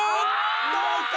どうか？